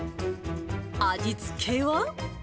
味付けは。